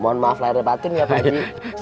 mohon maaf lahir dan batin ya pak haji